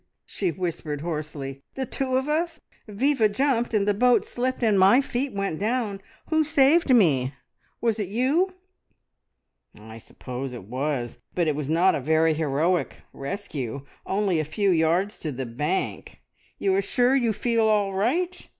she whispered hoarsely. "The two of us? Viva jumped, and the boat slipped, and my feet went down. Who saved me? Was it you?" "I suppose it was, but it was not a very heroic rescue only a few yards to the bank. You are sure you feel all right?